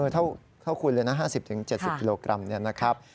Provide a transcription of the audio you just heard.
เท่าคุณเลยนะ๕๐๗๐กิโลกรัมเนี่ยนะครับ